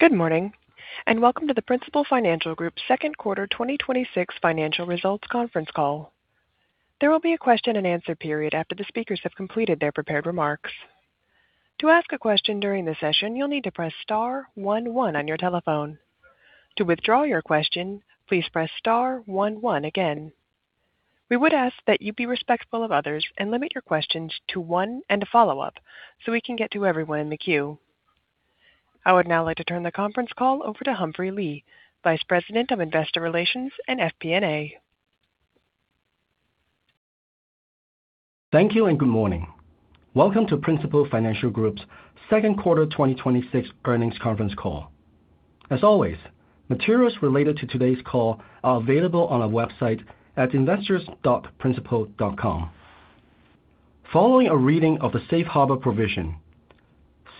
Good morning, and welcome to the Principal Financial Group second quarter 2026 financial results conference call. There will be a question-and-answer period after the speakers have completed their prepared remarks. To ask a question during the session, you'll need to press star one one on your telephone. To withdraw your question, please press star one one again. We would ask that you be respectful of others and limit your questions to one and a follow-up so we can get to everyone in the queue. I would now like to turn the conference call over to Humphrey Lee, Vice President of Investor Relations and FP&A. Thank you. Good morning. Welcome to Principal Financial Group's second quarter 2026 earnings conference call. As always, materials related to today's call are available on our website at investors.principal.com. Following a reading of the safe harbor provision,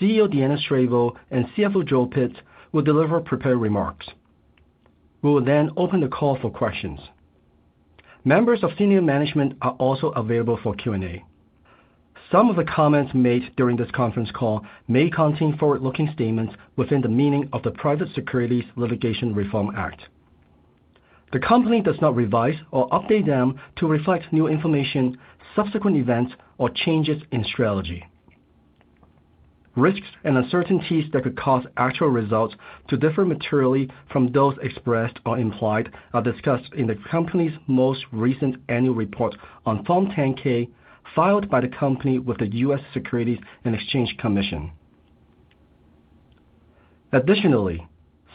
CEO Deanna Strable and CFO Joel Pitz will deliver prepared remarks. We will then open the call for questions. Members of senior management are also available for Q&A. Some of the comments made during this conference call may contain forward-looking statements within the meaning of the Private Securities Litigation Reform Act. The company does not revise or update them to reflect new information, subsequent events, or changes in strategy. Risks and uncertainties that could cause actual results to differ materially from those expressed or implied are discussed in the company's most recent annual report on Form 10-K, filed by the company with the U.S. Securities and Exchange Commission. Additionally,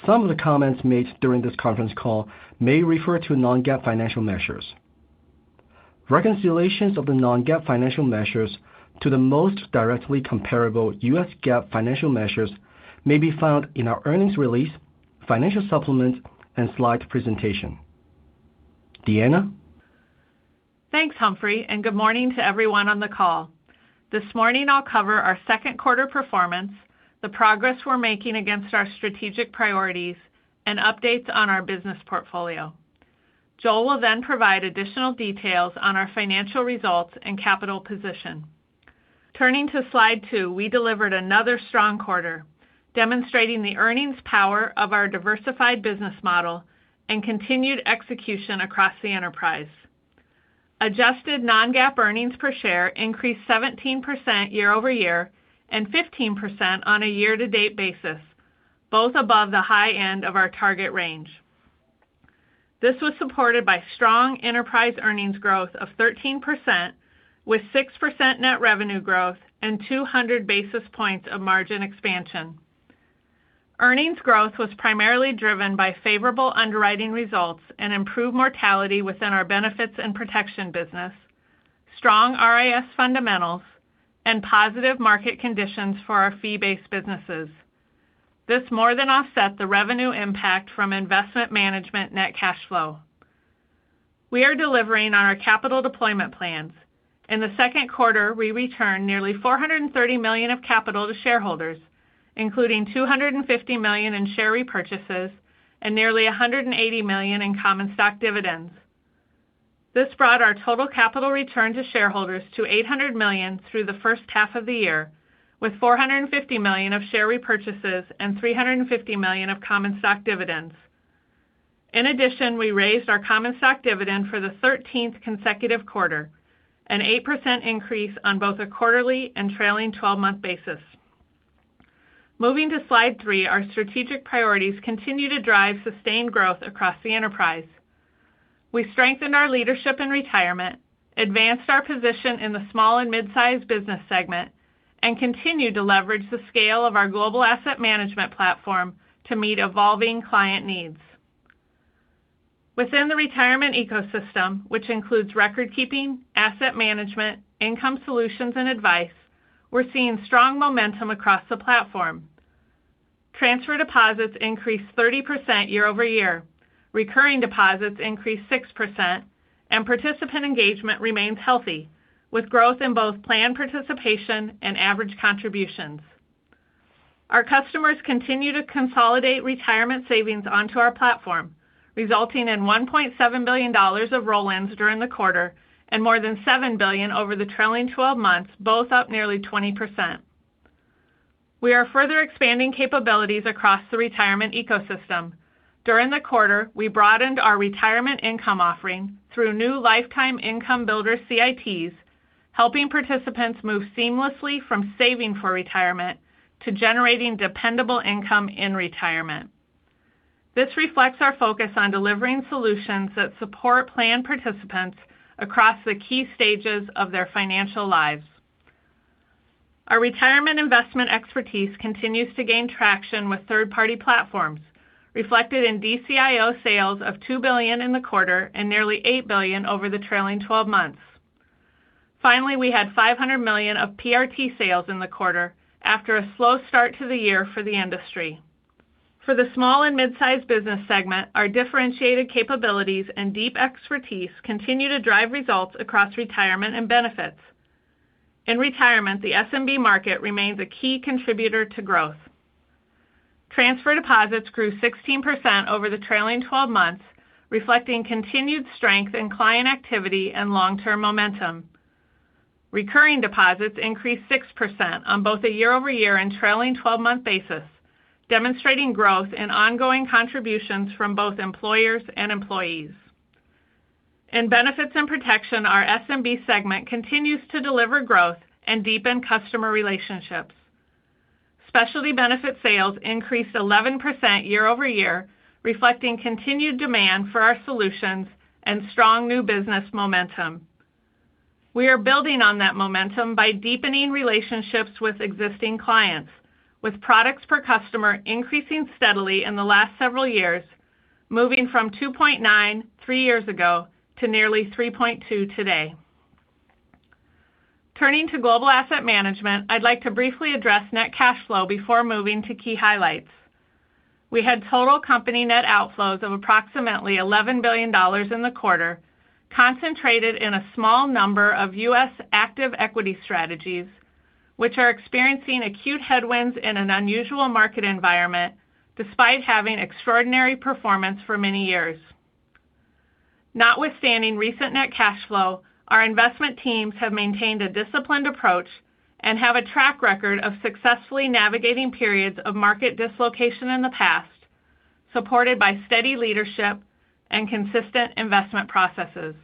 some of the comments made during this conference call may refer to non-GAAP financial measures. Reconciliations of the non-GAAP financial measures to the most directly comparable U.S. GAAP financial measures may be found in our earnings release, financial supplement, and slide presentation. Deanna? Thanks, Humphrey. Good morning to everyone on the call. This morning I'll cover our second quarter performance, the progress we're making against our strategic priorities, and updates on our business portfolio. Joel will provide additional details on our financial results and capital position. Turning to Slide 2, we delivered another strong quarter, demonstrating the earnings power of our diversified business model and continued execution across the enterprise. Adjusted non-GAAP earnings per share increased 17% year-over-year and 15% on a year-to-date basis, both above the high end of our target range. This was supported by strong enterprise earnings growth of 13%, with 6% net revenue growth and 200 basis points of margin expansion. Earnings growth was primarily driven by favorable underwriting results and improved mortality within our Benefits and Protection business, strong RIS fundamentals, and positive market conditions for our fee-based businesses. This more than offset the revenue impact from investment management net cash flow. We are delivering on our capital deployment plans. In the second quarter, we returned nearly $430 million of capital to shareholders, including $250 million in share repurchases and nearly $180 million in common stock dividends. This brought our total capital return to shareholders to $800 million through the first half of the year, with $450 million of share repurchases and $350 million of common stock dividends. We raised our common stock dividend for the 13th consecutive quarter, an 8% increase on both a quarterly and trailing 12-month basis. Moving to Slide 3, our strategic priorities continue to drive sustained growth across the enterprise. We strengthened our leadership in retirement, advanced our position in the small and midsize business segment, and continued to leverage the scale of our global Asset Management platform to meet evolving client needs. Within the retirement ecosystem, which includes record keeping, asset management, income solutions, and advice, we're seeing strong momentum across the platform. Transfer deposits increased 30% year-over-year. Recurring deposits increased 6%, and participant engagement remains healthy, with growth in both plan participation and average contributions. Our customers continue to consolidate retirement savings onto our platform, resulting in $1.7 billion of roll-ins during the quarter and more than $7 billion over the trailing 12 months, both up nearly 20%. We are further expanding capabilities across the retirement ecosystem. During the quarter, we broadened our retirement income offering through new LifeTime Income Builder CITs, helping participants move seamlessly from saving for retirement to generating dependable income in retirement. This reflects our focus on delivering solutions that support plan participants across the key stages of their financial lives. Our retirement investment expertise continues to gain traction with third-party platforms, reflected in DCIO sales of $2 billion in the quarter and nearly $8 billion over the trailing 12 months. Finally, we had $500 million of PRT sales in the quarter after a slow start to the year for the industry. For the small and mid-sized business segment, our differentiated capabilities and deep expertise continue to drive results across retirement and benefits. In retirement, the SMB market remains a key contributor to growth. Transfer deposits grew 16% over the trailing 12 months, reflecting continued strength in client activity and long-term momentum. Recurring deposits increased 6% on both a year-over-year and trailing 12-month basis, demonstrating growth in ongoing contributions from both employers and employees. In benefits and protection, our SMB segment continues to deliver growth and deepen customer relationships. Specialty benefit sales increased 11% year-over-year, reflecting continued demand for our solutions and strong new business momentum. We are building on that momentum by deepening relationships with existing clients, with products per customer increasing steadily in the last several years, moving from 2.9 three years ago to nearly 3.2 today. Turning to global Asset Management, I'd like to briefly address net cash flow before moving to key highlights. We had total company net outflows of approximately $11 billion in the quarter, concentrated in a small number of U.S. active equity strategies, which are experiencing acute headwinds in an unusual market environment, despite having extraordinary performance for many years. Notwithstanding recent net cash flow, our investment teams have maintained a disciplined approach and have a track record of successfully navigating periods of market dislocation in the past, supported by steady leadership and consistent investment processes.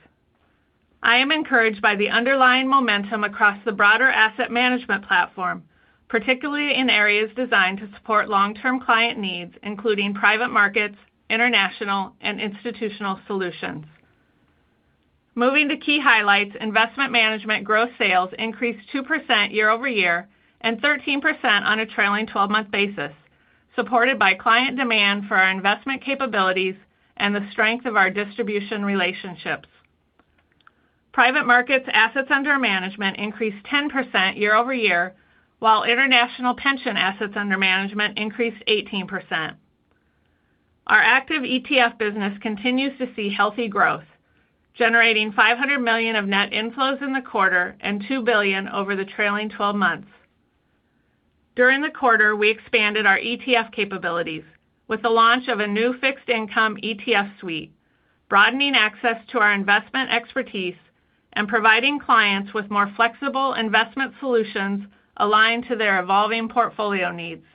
I am encouraged by the underlying momentum across the broader asset management platform, particularly in areas designed to support long-term client needs, including private markets, international, and institutional solutions. Moving to key highlights, investment management gross sales increased 2% year-over-year and 13% on a trailing 12-month basis, supported by client demand for our investment capabilities and the strength of our distribution relationships. Private markets assets under management increased 10% year-over-year, while international pension assets under management increased 18%. Our active ETF business continues to see healthy growth, generating $500 million of net inflows in the quarter and $2 billion over the trailing 12 months. During the quarter, we expanded our ETF capabilities with the launch of a new fixed income ETF suite, broadening access to our investment expertise and providing clients with more flexible investment solutions aligned to their evolving portfolio needs.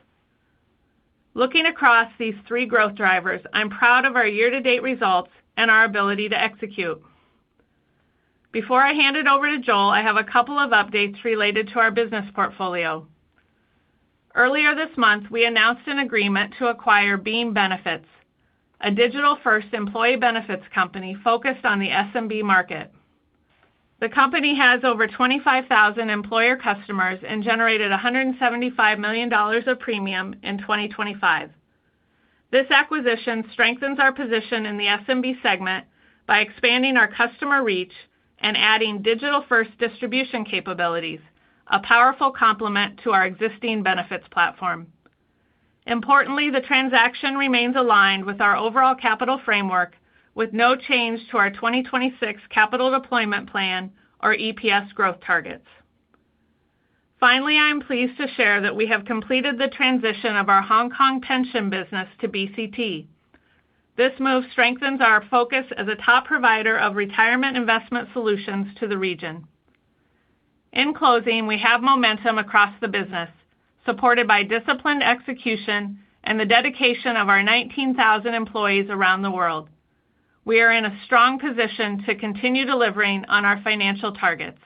Looking across these three growth drivers, I'm proud of our year-to-date results and our ability to execute. Before I hand it over to Joel, I have a couple of updates related to our business portfolio. Earlier this month, we announced an agreement to acquire Beam Benefits, a digital-first employee benefits company focused on the SMB market. The company has over 25,000 employer customers and generated $175 million of premium in 2025. This acquisition strengthens our position in the SMB segment by expanding our customer reach and adding digital-first distribution capabilities, a powerful complement to our existing benefits platform. Importantly, the transaction remains aligned with our overall capital framework with no change to our 2026 capital deployment plan or EPS growth targets. Finally, I am pleased to share that we have completed the transition of our Hong Kong pension business to BCT. This move strengthens our focus as a top provider of retirement investment solutions to the region. In closing, we have momentum across the business, supported by disciplined execution and the dedication of our 19,000 employees around the world. We are in a strong position to continue delivering on our financial targets.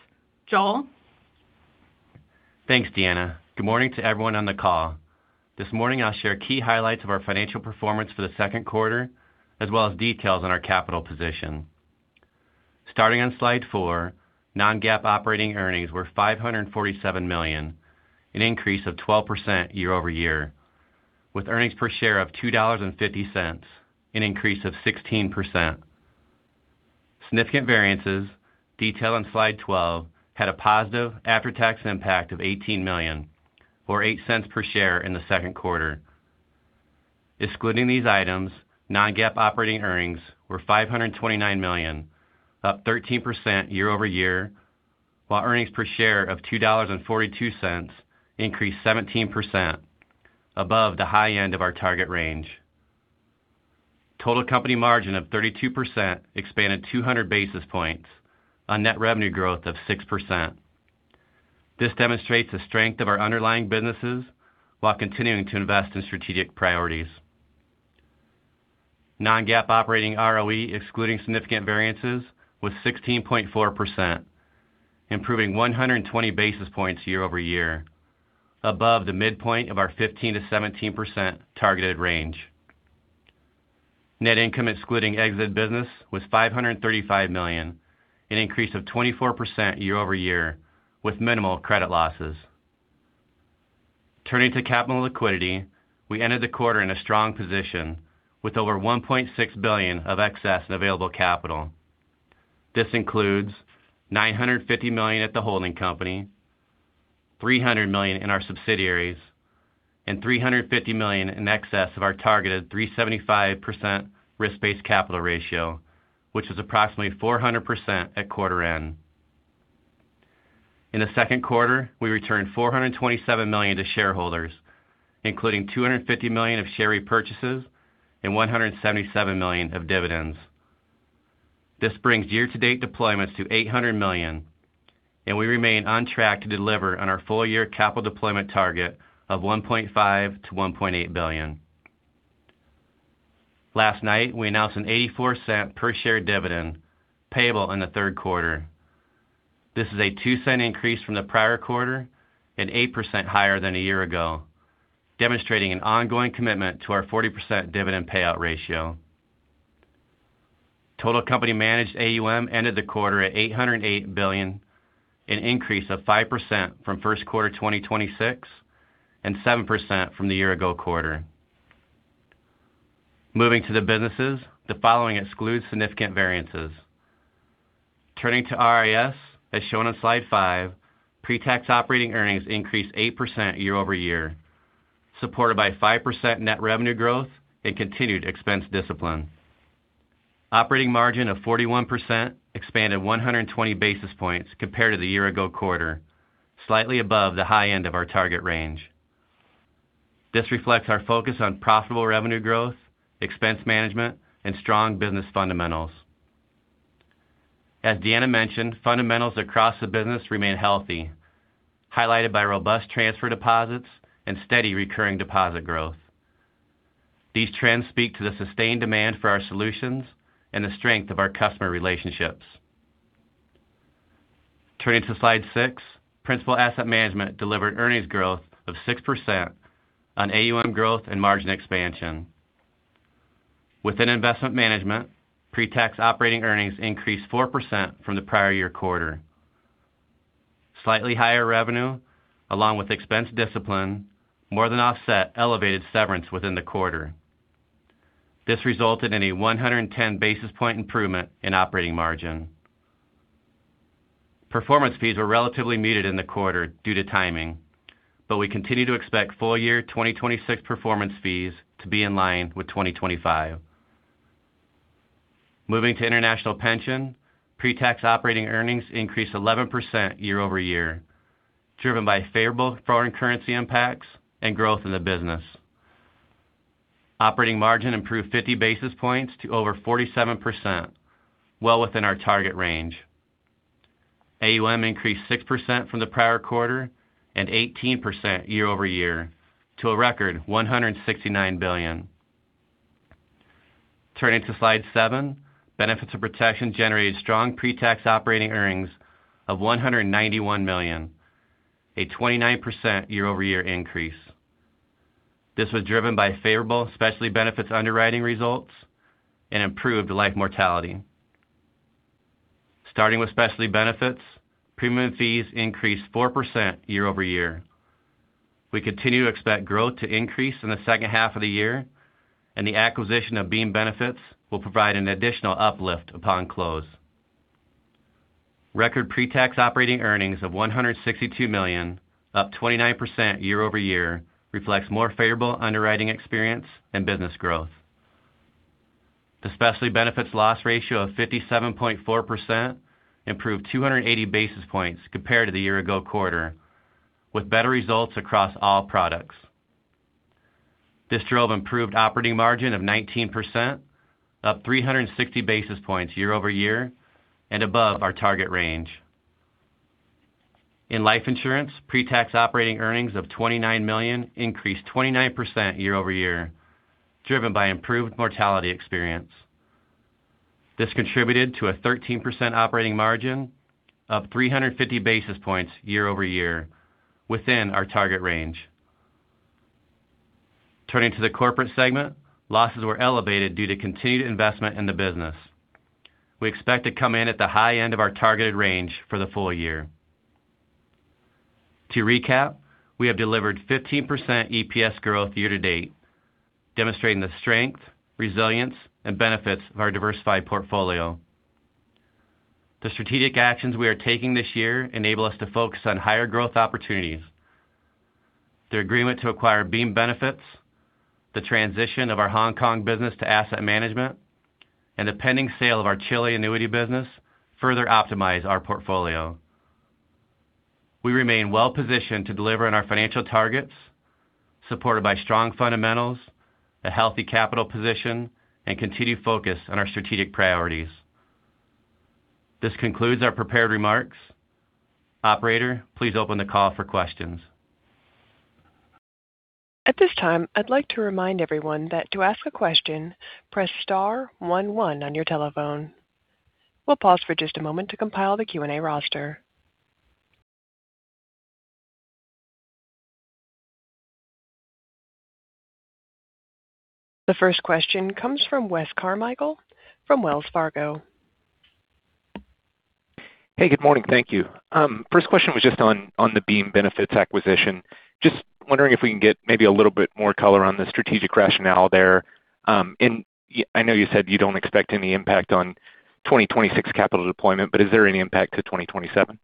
Joel? Thanks, Deanna. Good morning to everyone on the call. This morning I'll share key highlights of our financial performance for the second quarter, as well as details on our capital position. Starting on Slide 4, non-GAAP operating earnings were $547 million, an increase of 12% year-over-year, with earnings per share of $2.50, an increase of 16%. Significant variances, detailed on Slide 12, had a positive after-tax impact of $18 million or $0.08 per share in the second quarter. Excluding these items, non-GAAP operating earnings were $529 million, up 13% year-over-year, while earnings per share of $2.42 increased 17%, above the high end of our target range. Total company margin of 32% expanded 200 basis points on net revenue growth of 6%. This demonstrates the strength of our underlying businesses while continuing to invest in strategic priorities. Non-GAAP operating ROE excluding significant variances was 16.4%, improving 120 basis points year-over-year, above the midpoint of our 15%-17% targeted range. Net income excluding exit business was $535 million, an increase of 24% year-over-year, with minimal credit losses. Turning to capital liquidity, we ended the quarter in a strong position with over $1.6 billion of excess and available capital. This includes $950 million at the holding company, $300 million in our subsidiaries, and $350 million in excess of our targeted 375% risk-based capital ratio, which is approximately 400% at quarter end. In the second quarter, we returned $427 million to shareholders including $250 million of share repurchases and $177 million of dividends. This brings year-to-date deployments to $800 million, and we remain on track to deliver on our full year capital deployment target of $1.5 billion-$1.8 billion. Last night, we announced an $0.84 per share dividend payable in the third quarter. This is a $0.02 increase from the prior quarter and 8% higher than a year-ago, demonstrating an ongoing commitment to our 40% dividend payout ratio. Total company managed AUM ended the quarter at $808 billion, an increase of 5% from first quarter 2026 and 7% from the year-ago quarter. Moving to the businesses, the following excludes significant variances. Turning to RIS, as shown on Slide 5, pre-tax operating earnings increased 8% year-over-year, supported by 5% net revenue growth and continued expense discipline. Operating margin of 41% expanded 120 basis points compared to the year-ago quarter, slightly above the high end of our target range. This reflects our focus on profitable revenue growth, expense management, and strong business fundamentals. As Deanna mentioned, fundamentals across the business remain healthy, highlighted by robust transfer deposits and steady recurring deposit growth. These trends speak to the sustained demand for our solutions and the strength of our customer relationships. Turning to Slide 6, Principal Asset Management delivered earnings growth of 6% on AUM growth and margin expansion. Within investment management, pre-tax operating earnings increased 4% from the prior year quarter. Slightly higher revenue, along with expense discipline, more than offset elevated severance within the quarter. This resulted in a 110 basis point improvement in operating margin. Performance fees were relatively muted in the quarter due to timing, but we continue to expect full year 2026 performance fees to be in line with 2025. Moving to international pension, pre-tax operating earnings increased 11% year-over-year, driven by favorable foreign currency impacts and growth in the business. Operating margin improved 50 basis points to over 47%, well within our target range. AUM increased 6% from the prior quarter and 18% year-over-year to a record $169 billion. Turning to Slide 7, Benefits and Protection generated strong pre-tax operating earnings of $191 million, a 29% year-over-year increase. This was driven by favorable Specialty Benefits underwriting results, and improved life mortality. Starting with Specialty Benefits, premium fees increased 4% year-over-year. We continue to expect growth to increase in the second half of the year, and the acquisition of Beam Benefits will provide an additional uplift upon close. Record pre-tax operating earnings of $162 million, up 29% year-over-year, reflects more favorable underwriting experience and business growth. The Specialty Benefits loss ratio of 57.4% improved 280 basis points compared to the year-ago quarter, with better results across all products. This drove improved operating margin of 19%, up 360 basis points year-over-year and above our target range. In life insurance, pre-tax operating earnings of $29 million increased 29% year-over-year, driven by improved mortality experience. This contributed to a 13% operating margin, up 350 basis points year-over-year, within our target range. Turning to the corporate segment, losses were elevated due to continued investment in the business. We expect to come in at the high end of our targeted range for the full year. To recap, we have delivered 15% EPS growth year-to-date, demonstrating the strength, resilience, and benefits of our diversified portfolio. The strategic actions we are taking this year enable us to focus on higher growth opportunities. The agreement to acquire Beam Benefits, the transition of our Hong Kong business to asset management, and the pending sale of our Chile annuity business further optimize our portfolio. We remain well-positioned to deliver on our financial targets, supported by strong fundamentals, a healthy capital position, and continued focus on our strategic priorities. This concludes our prepared remarks. Operator, please open the call for questions. At this time, I'd like to remind everyone that to ask a question, press star one one on your telephone. We'll pause for just a moment to compile the Q&A roster. The first question comes from Wes Carmichael from Wells Fargo. Hey, good morning. Thank you. First question was just on the Beam Benefits acquisition. Just wondering if we can get maybe a little bit more color on the strategic rationale there. I know you said you don't expect any impact on 2026 capital deployment, but is there any impact to 2027?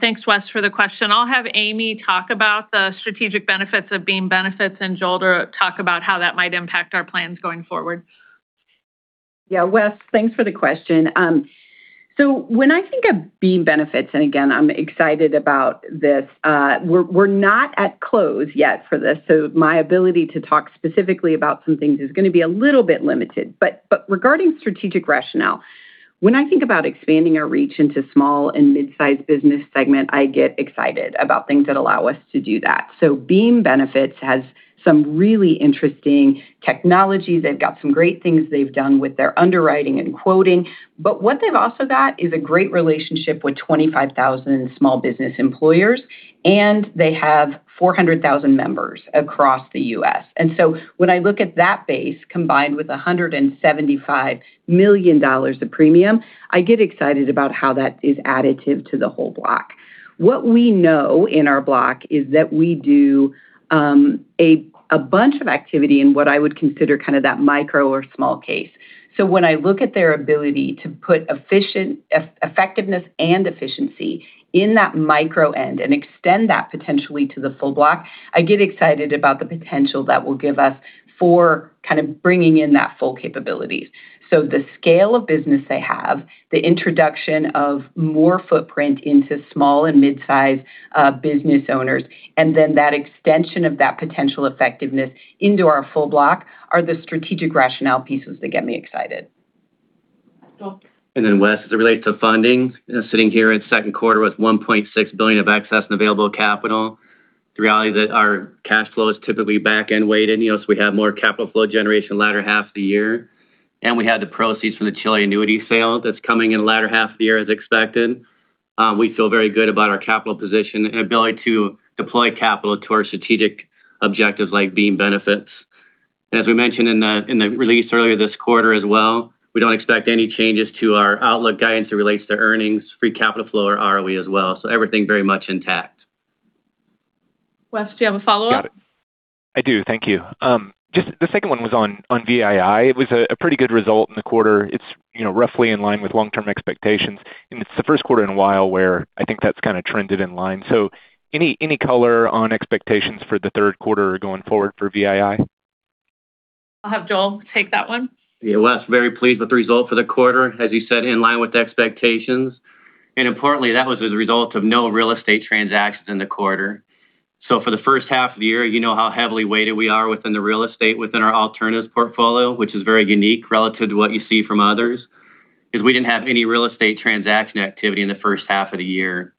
Thanks, Wes, for the question. I'll have Amy talk about the strategic benefits of Beam Benefits and Joel talk about how that might impact our plans going forward. Wes, thanks for the question. When I think of Beam Benefits, and again, I'm excited about this, we're not at close yet for this, so my ability to talk specifically about some things is going to be a little bit limited. Regarding strategic rationale, when I think about expanding our reach into small and mid-size business segment, I get excited about things that allow us to do that. Beam Benefits has some really interesting technologies. They've got some great things they've done with their underwriting and quoting. What they've also got is a great relationship with 25,000 small business employers, and they have 400,000 members across the U.S. When I look at that base, combined with $175 million of premium, I get excited about how that is additive to the whole block. What we know in our block is that we do a bunch of activity in what I would consider kind of that micro or small case. When I look at their ability to put effectiveness and efficiency in that micro end and extend that potentially to the full block, I get excited about the potential that will give us for kind of bringing in that full capabilities. The scale of business they have, the introduction of more footprint into small and mid-size business owners, that extension of that potential effectiveness into our full block are the strategic rationale pieces that get me excited. Joel. Wes, as it relates to funding, sitting here at second quarter with $1.6 billion of excess and available capital, the reality that our cash flow is typically back-end weighted, so we have more capital flow generation latter half of the year, and we had the proceeds from the Chile annuity sale that's coming in the latter half of the year as expected. We feel very good about our capital position and ability to deploy capital to our strategic objectives like Beam Benefits. As we mentioned in the release earlier this quarter as well, we don't expect any changes to our outlook guidance that relates to earnings, free capital flow or ROE as well. Everything very much intact. Wes, do you have a follow-up? Got it. I do, thank you. The second one was on VII. It was a pretty good result in the quarter. It's roughly in line with long-term expectations, and it's the first quarter in a while where I think that's kind of trended in line. Any color on expectations for the third quarter or going forward for VII? I'll have Joel take that one. Wes, very pleased with the result for the quarter, as you said, in line with expectations. Importantly, that was as a result of no real estate transactions in the quarter. For the first half of the year, you know how heavily weighted we are within the real estate within our alternate portfolio, which is very unique relative to what you see from others, is we didn't have any real estate transaction activity in the first half of the year.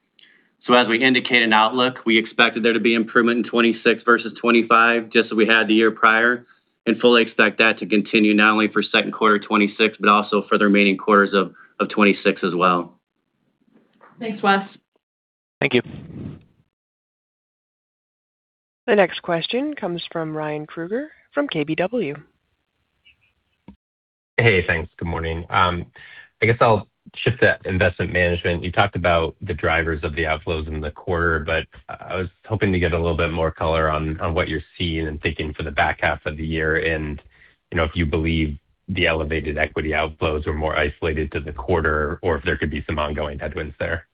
As we indicated in outlook, we expected there to be improvement in 2026 versus 2025, just as we had the year prior, and fully expect that to continue not only for second quarter 2026, but also for the remaining quarters of 2026 as well. Thanks, Wes. Thank you. The next question comes from Ryan Krueger from KBW. Hey, thanks. Good morning. I guess I'll shift to investment management. You talked about the drivers of the outflows in the quarter, but I was hoping to get a little bit more color on what you're seeing and thinking for the back half of the year and if you believe the elevated equity outflows were more isolated to the quarter or if there could be some ongoing headwinds there.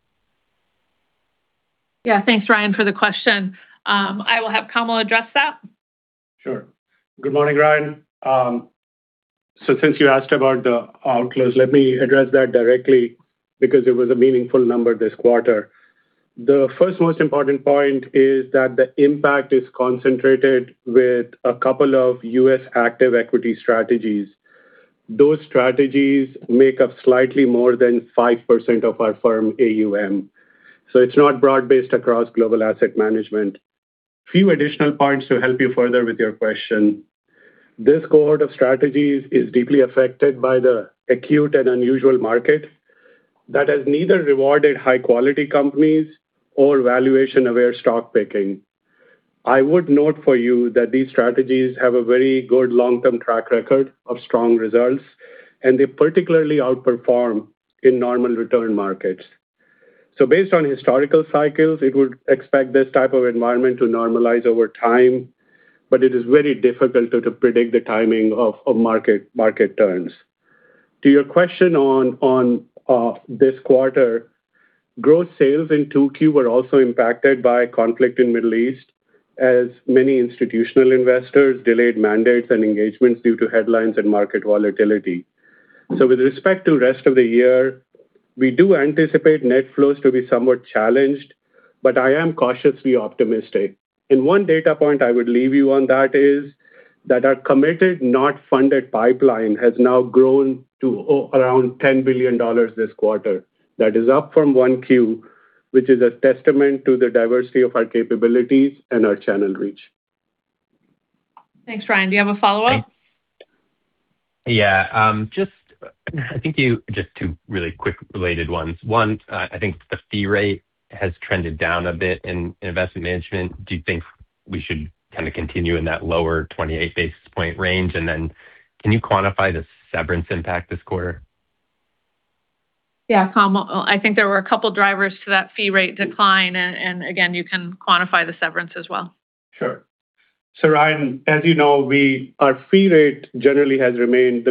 Yeah. Thanks, Ryan, for the question. I will have Kamal address that. Sure. Good morning, Ryan. Since you asked about the outflows, let me address that directly because it was a meaningful number this quarter. The first most important point is that the impact is concentrated with a couple of U.S. active equity strategies. Those strategies make up slightly more than 5% of our firm AUM, so it's not broad-based across global asset management. Few additional points to help you further with your question. This cohort of strategies is deeply affected by the acute and unusual market that has neither rewarded high-quality companies or valuation-aware stock picking. I would note for you that these strategies have a very good long-term track record of strong results, and they particularly outperform in normal return markets. Based on historical cycles, it would expect this type of environment to normalize over time, but it is very difficult to predict the timing of market turns. To your question on this quarter, growth sales in 2Q were also impacted by conflict in Middle East as many institutional investors delayed mandates and engagements due to headlines and market volatility. With respect to rest of the year, we do anticipate net flows to be somewhat challenged, but I am cautiously optimistic. One data point I would leave you on that is that our committed, not funded pipeline has now grown to around $10 billion this quarter. That is up from 1Q, which is a testament to the diversity of our capabilities and our channel reach. Thanks, Ryan. Do you have a follow-up? Yeah. Just two really quick related ones. One, I think the fee rate has trended down a bit in investment management. Do you think we should kind of continue in that lower 28 basis point range? Can you quantify the severance impact this quarter? Yeah, Kamal, I think there were a couple drivers to that fee rate decline. Again, you can quantify the severance as well. Sure, Ryan, as you know, the core fee rate has remained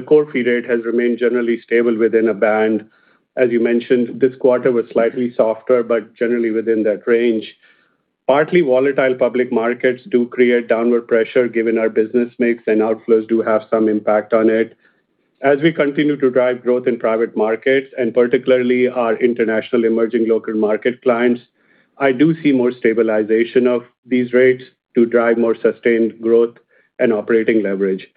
generally stable within a band. As you mentioned, this quarter was slightly softer, generally within that range. Partly volatile public markets do create downward pressure given our business mix, outflows do have some impact on it. As we continue to drive growth in private markets, and particularly our international emerging local market clients, I do see more stabilization of these rates to drive more sustained growth and operating leverage.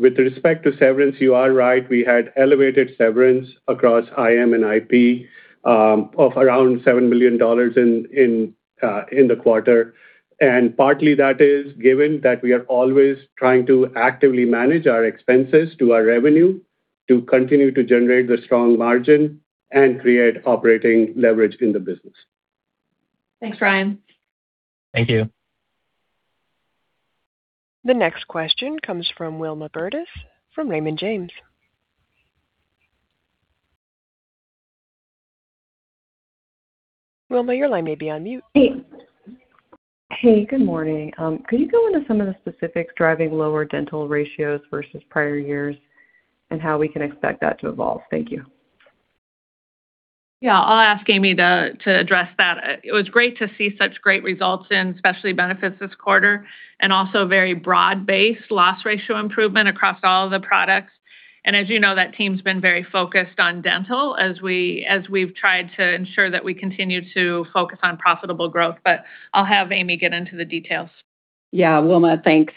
With respect to severance, you are right, we had elevated severance across IM and IP of around $7 million in the quarter. Partly that is given that we are always trying to actively manage our expenses to our revenue to continue to generate the strong margin and create operating leverage in the business. Thanks, Ryan. Thank you. The next question comes from Wilma Burdis from Raymond James. Wilma, your line may be on mute. Hey. Hey. Good morning. Could you go into some of the specifics driving lower dental ratios versus prior years and how we can expect that to evolve? Thank you. Yeah. I'll ask Amy to address that. It was great to see such great results in specialty benefits this quarter, also very broad-based loss ratio improvement across all the products. As you know, that team's been very focused on dental as we've tried to ensure that we continue to focus on profitable growth. I'll have Amy get into the details. Yeah. Wilma, thanks.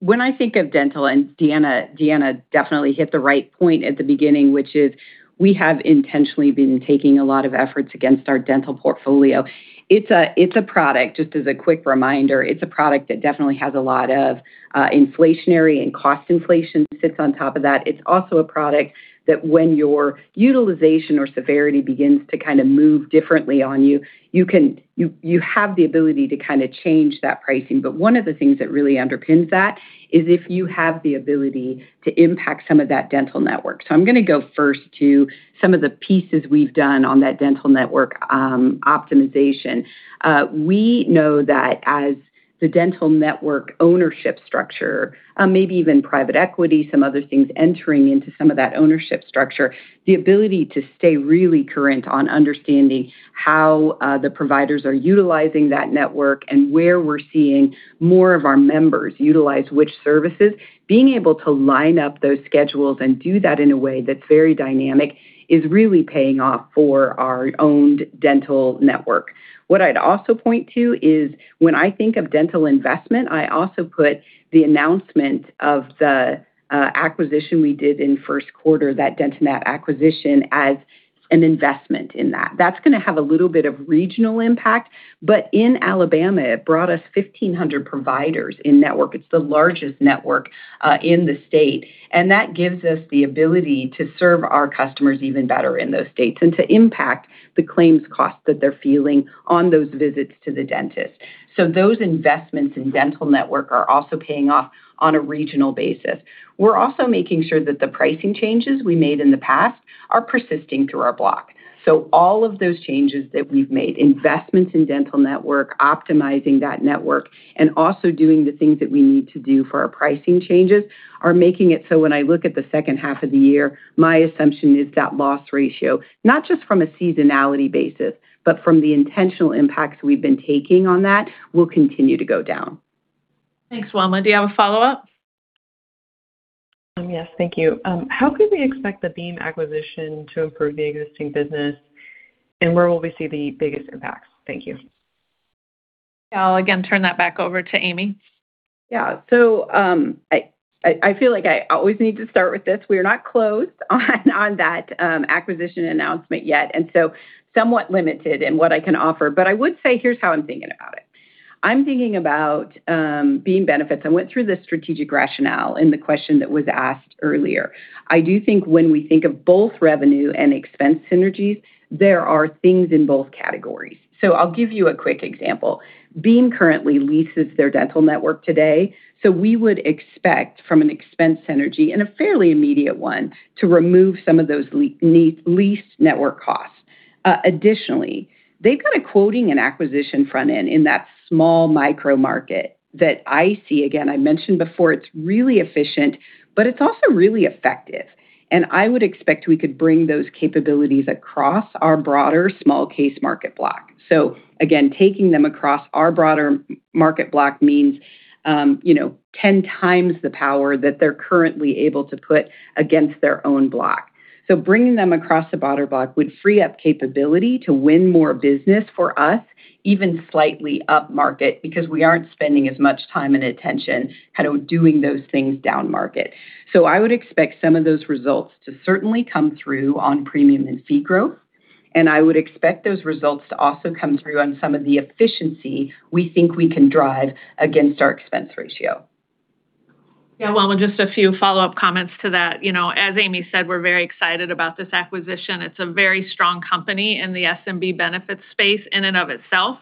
When I think of dental, Deanna definitely hit the right point at the beginning, which is we have intentionally been taking a lot of efforts against our dental portfolio. It's a product, just as a quick reminder, it's a product that definitely has a lot of inflationary and cost inflation sits on top of that. It's also a product that when your utilization or severity begins to kind of move differently on you have the ability to kind of change that pricing. One of the things that really underpins that is if you have the ability to impact some of that dental network. I'm going to go first to some of the pieces we've done on that dental network optimization. We know that as the dental network ownership structure, maybe even private equity, some other things entering into some of that ownership structure, the ability to stay really current on understanding how the providers are utilizing that network and where we're seeing more of our members utilize which services, being able to line up those schedules and do that in a way that's very dynamic is really paying off for our owned dental network. What I'd also point to is when I think of dental investment, I also put the announcement of the acquisition we did in first quarter, that DentaNet acquisition, as an investment in that. That's going to have a little bit of regional impact, but in Alabama, it brought us 1,500 providers in network. It's the largest network in the state, that gives us the ability to serve our customers even better in those states and to impact the claims cost that they're feeling on those visits to the dentist. Those investments in dental network are also paying off on a regional basis. We're also making sure that the pricing changes we made in the past are persisting through our block. All of those changes that we've made, investments in dental network, optimizing that network, and also doing the things that we need to do for our pricing changes are making it so when I look at the second half of the year, my assumption is that loss ratio, not just from a seasonality basis, but from the intentional impacts we've been taking on that, will continue to go down. Thanks, Wilma. Do you have a follow-up? Yes. Thank you. How could we expect the Beam acquisition to improve the existing business, where will we see the biggest impacts? Thank you. I'll again turn that back over to Amy. Yeah. I feel like I always need to start with this. We are not closed on that acquisition announcement yet, somewhat limited in what I can offer. I would say here's how I'm thinking about it. I'm thinking about Beam Benefits. I went through the strategic rationale in the question that was asked earlier. I do think when we think of both revenue and expense synergies, there are things in both categories. I'll give you a quick example. Beam currently leases their dental network today, we would expect from an expense synergy, and a fairly immediate one, to remove some of those leased network costs. Additionally, they've got a quoting and acquisition front end in that small micro market that I see. I mentioned before it's really efficient, it's also really effective, I would expect we could bring those capabilities across our broader small case market block. Taking them across our broader market block means 10 times the power that they're currently able to put against their own block. Bringing them across the broader block would free up capability to win more business for us, even slightly up market, because we aren't spending as much time and attention kind of doing those things down market. I would expect some of those results to certainly come through on premium and fee growth, I would expect those results to also come through on some of the efficiency we think we can drive against our expense ratio. Wilma, just a few follow-up comments to that. As Amy said, we're very excited about this acquisition. It's a very strong company in the SMB benefits space in and of itself,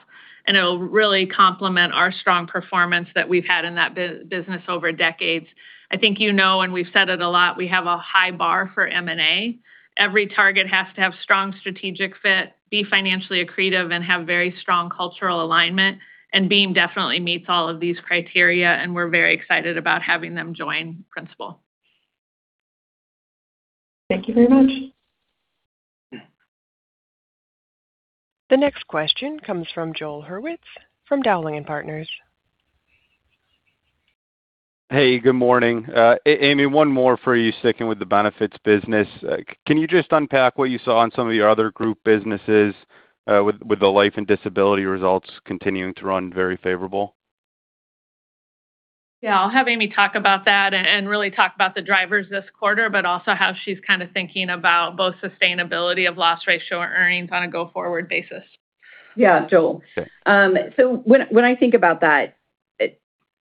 it'll really complement our strong performance that we've had in that business over decades. I think you know, we've said it a lot, we have a high bar for M&A. Every target has to have strong strategic fit, be financially accretive, have very strong cultural alignment, Beam definitely meets all of these criteria, we're very excited about having them join Principal. Thank you very much. The next question comes from Joel Hurwitz from Dowling & Partners. Good morning. Amy, one more for you sticking with the benefits business. Can you just unpack what you saw in some of your other group businesses, with the life and disability results continuing to run very favorable? Yeah, I'll have Amy talk about that, and really talk about the drivers this quarter, but also how she's kind of thinking about both sustainability of loss ratio earnings on a go-forward basis. Yeah, Joel. Sure. When I think about that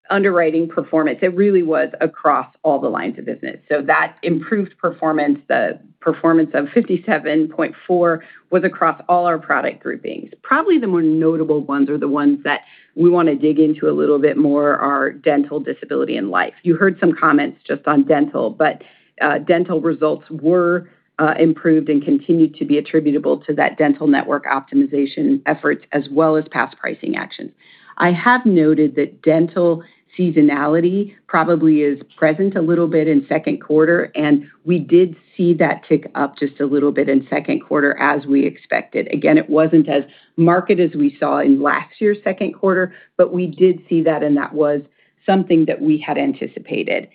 underwriting performance, it really was across all the lines of business. That improved performance, the performance of 57.4, was across all our product groupings. Probably the more notable ones are the ones that we want to dig into a little bit more are dental, disability, and life. You heard some comments just on dental, but dental results were improved and continued to be attributable to that dental network optimization efforts as well as past pricing actions. I have noted that dental seasonality probably is present a little bit in second quarter, and we did see that tick up just a little bit in second quarter as we expected. Again, it wasn't as marked as we saw in last year's second quarter, but we did see that, and that was something that we had anticipated.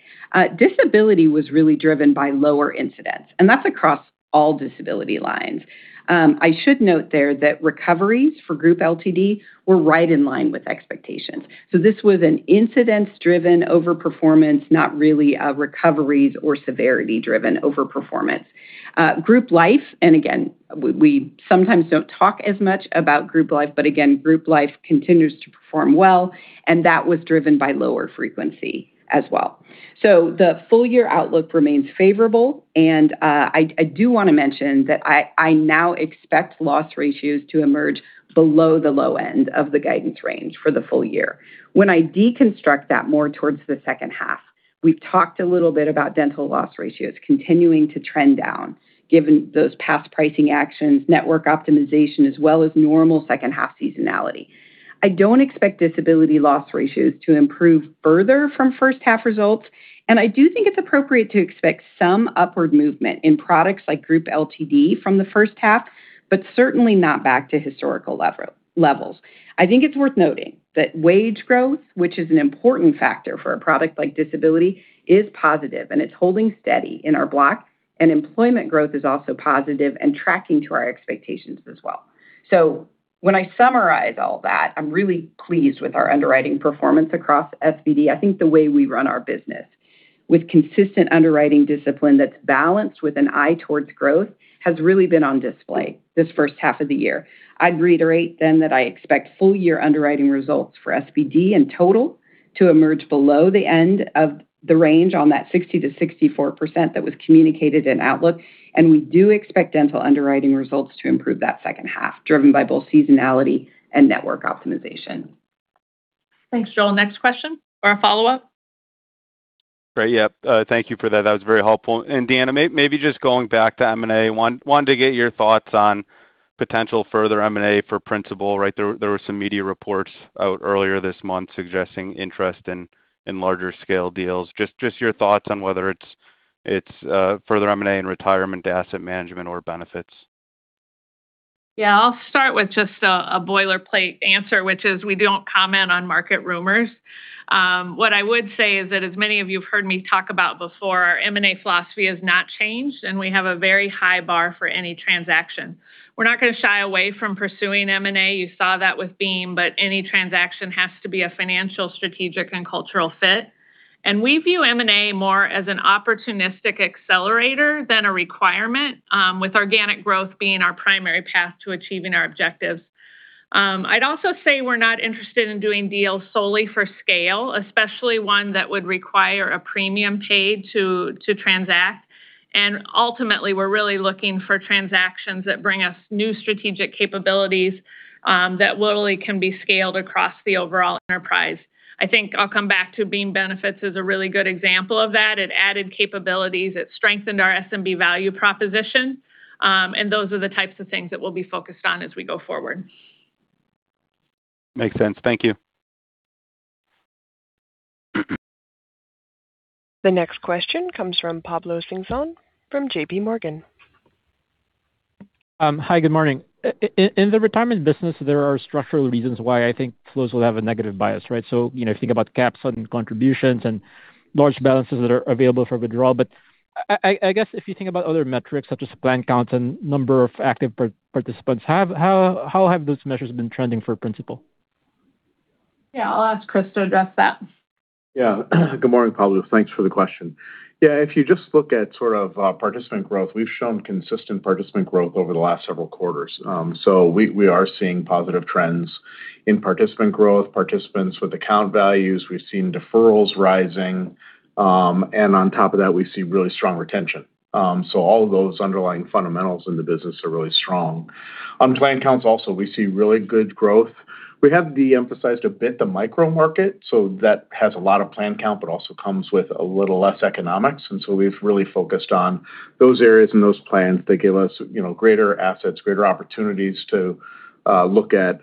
Disability was really driven by lower incidents, and that's across all disability lines. I should note there that recoveries for group LTD were right in line with expectations. This was an incidence-driven over-performance, not really a recoveries or severity-driven over-performance. Group life, and again, we sometimes don't talk as much about group life, but again, group life continues to perform well, and that was driven by lower frequency as well. The full year outlook remains favorable, and I do want to mention that I now expect loss ratios to emerge below the low end of the guidance range for the full year. When I deconstruct that more towards the second half, we've talked a little bit about dental loss ratios continuing to trend down given those past pricing actions, network optimization, as well as normal second half seasonality. I don't expect disability loss ratios to improve further from first half results, I do think it's appropriate to expect some upward movement in products like group LTD from the first half, but certainly not back to historical levels. I think it's worth noting that wage growth, which is an important factor for a product like disability, is positive, and it's holding steady in our block, and employment growth is also positive and tracking to our expectations as well. When I summarize all that, I'm really pleased with our underwriting performance across SBD. I think the way we run our business with consistent underwriting discipline that's balanced with an eye towards growth has really been on display this first half of the year. I'd reiterate that I expect full year underwriting results for SBD in total to emerge below the end of the range on that 60%-64% that was communicated in Outlook, and we do expect dental underwriting results to improve that second half, driven by both seasonality and network optimization. Thanks, Joel. Next question or a follow-up? Great. Yeah. Thank you for that. That was very helpful. Deanna, maybe just going back to M&A. Wanted to get your thoughts on potential further M&A for Principal. There were some media reports out earlier this month suggesting interest in larger scale deals. Just your thoughts on whether it's further M&A in retirement asset management or benefits. I'll start with just a boilerplate answer, which is we don't comment on market rumors. What I would say is that as many of you have heard me talk about before, our M&A philosophy has not changed, and we have a very high bar for any transaction. We're not going to shy away from pursuing M&A. You saw that with Beam, but any transaction has to be a financial, strategic, and cultural fit. We view M&A more as an opportunistic accelerator than a requirement, with organic growth being our primary path to achieving our objectives. I'd also say we're not interested in doing deals solely for scale, especially one that would require a premium paid to transact. Ultimately, we're really looking for transactions that bring us new strategic capabilities that literally can be scaled across the overall enterprise. I think I'll come back to Beam Benefits as a really good example of that. It added capabilities, it strengthened our SMB value proposition. Those are the types of things that we'll be focused on as we go forward. Makes sense. Thank you. The next question comes from Pablo Singzon from J.P. Morgan. Hi, good morning. In the retirement business, there are structural reasons why I think flows will have a negative bias, right? Think about caps on contributions and large balances that are available for withdrawal. I guess if you think about other metrics such as plan counts and number of active participants, how have those measures been trending for Principal? Yeah, I'll ask Chris to address that. Yeah. Good morning, Pablo. Thanks for the question. Yeah, if you just look at sort of participant growth, we've shown consistent participant growth over the last several quarters. We are seeing positive trends in participant growth, participants with account values. We've seen deferrals rising. On top of that, we see really strong retention. All of those underlying fundamentals in the business are really strong. On plan counts also, we see really good growth. We have de-emphasized a bit the micro market, so that has a lot of plan count, but also comes with a little less economics, and so we've really focused on those areas and those plans that give us greater assets, greater opportunities to look at